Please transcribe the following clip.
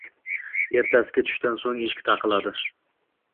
Ertasiga tushdan so`ng eshik taqilladi